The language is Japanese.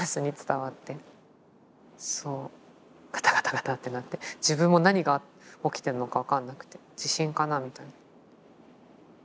そうガタガタガタッてなって自分も何が起きてるのか分かんなくて地震かなみたいな。